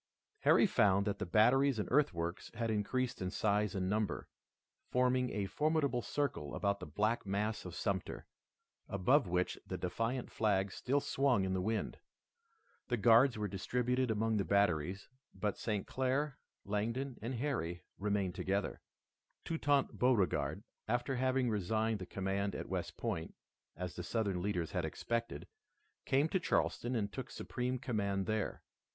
Harry found that the batteries and earthworks had increased in size and number, forming a formidable circle about the black mass of Sumter, above which the defiant flag still swung in the wind. The guards were distributed among the batteries, but St. Clair, Langdon, and Harry remained together. Toutant Beauregard, after having resigned the command at West Point, as the Southern leaders had expected, came to Charleston and took supreme command there.